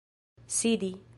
sidi